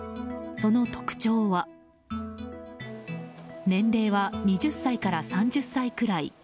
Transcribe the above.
その特徴は年齢は２０歳から３０歳くらい。